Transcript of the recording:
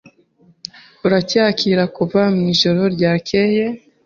Uracyakira kuva mwijoro ryakeye?